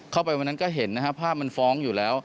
เข้าไปวันนั้นก็เห็นภาพมันฟ้องอยู่แล้ว